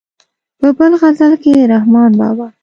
په بل غزل کې د رحمان بابا.